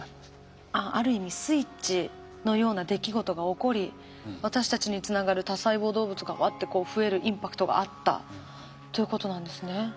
ある意味スイッチのような出来事が起こり私たちにつながる多細胞動物がワッてこう増えるインパクトがあったということなんですね。